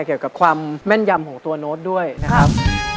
เกี่ยวกับความแม่นยำของตัวโน้ตด้วยนะครับ